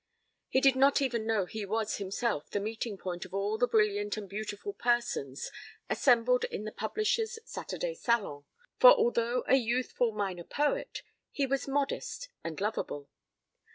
He did not even know he was himself the meeting point of all the brilliant and beautiful persons, assembled in the publisher's Saturday Salon, for although a youthful minor poet, he was modest and lovable.